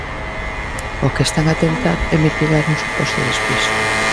O que están a tentar é mitigar un suposto despiste.